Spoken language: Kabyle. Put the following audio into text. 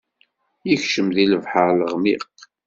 Ikcem di lebḥeṛ leɣmiq.